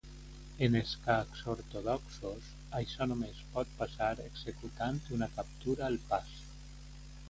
En escacs ortodoxos, això només pot passar executant una captura al pas.